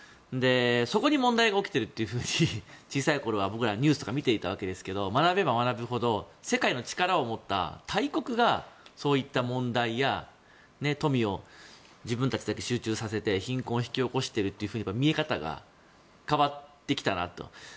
そこに問題が起きていると小さいころ、僕らニュースで見ていたわけですけど学べば学ぶほど世界の、力を持った大国がそういった問題や富を自分たちにだけ集中させて貧困を引き起こしていると見え方が変わってきたなと。